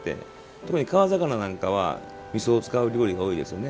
特に川魚なんかはみそを使う料理が多いですよね。